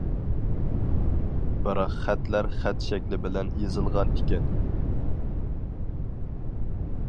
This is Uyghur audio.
بىراق خەتلەر خەت شەكلى بىلەن يېزىلغان ئىكەن.